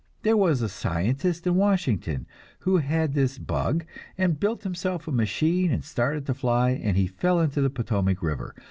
There was a scientist in Washington who had this "bug," and built himself a machine and started to fly, and fell into the Potomac river.